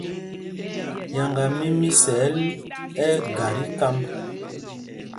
Yáŋgá mí Misɛɛl ɛ́ ɛ́ ga tí kámb.